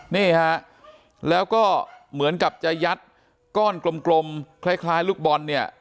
นี่ฮะแล้วก็เหมือนกับจะยัดก้อนกลมคล้ายลูกบอลเนี่ย